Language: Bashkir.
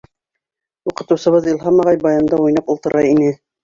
Уҡытыусыбыҙ Илһам ағай баянда уйнап ултыра ине.